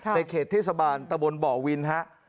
ในเขตเทศบาลตะบนบ่อวินฮะ